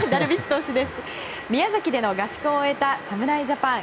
宮崎での合宿を終えた侍ジャパン。